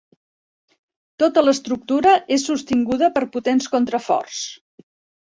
Tota l'estructura és sostinguda per potents contraforts.